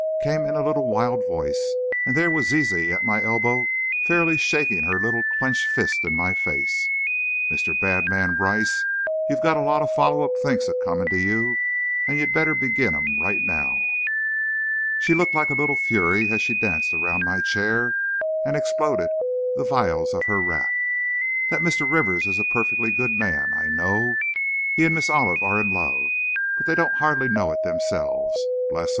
came in a wild little voice, and there was Zizi at my elbow fairly shaking her little clenched fist in my face. "Mr. Badman Brice, you've got a lot of follow up thinks a coming to you, and you'd better begin 'em right now!" She looked like a little fury as she danced around my chair and exploded the vials of her wrath. "That Mr. Rivers is a perfectly good man, I know! He and Miss Olive are in love, but they don't hardly know it themselves, bless 'em!